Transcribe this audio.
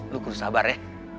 lu kurus sabar ya